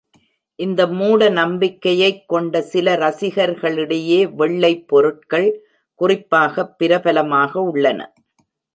இந்த மூட நம்பிக்கையைக் கொண்ட சில ரசிகர்களிடையே வெள்ளை பொருட்கள் குறிப்பாகப் பிரபலமாக உள்ளன.